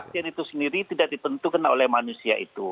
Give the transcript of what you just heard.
kasian itu sendiri tidak ditentukan oleh manusia itu